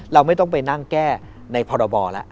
เราไม่ต้องไปนั่งแก้ในพรบแล้ว